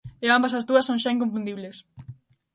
E ambas as dúas son xa inconfundibles.